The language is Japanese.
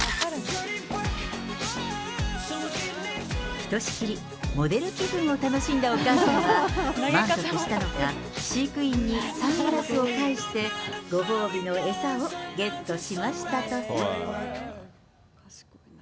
ひとしきり、モデル気分を楽しんだお母さんは、満足したのか、飼育員にサングラスを返して、ごほうびの餌をゲットしましたとさ。